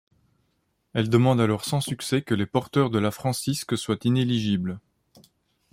Elle demande alors sans succès que les porteurs de la Francisque soient inéligibles.